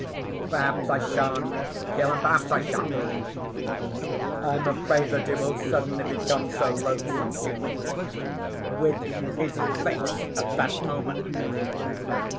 Perhaps I shan't kill, and perhaps I shall. I'm afraid that he will suddenly become so loathsome to me with his face at that moment.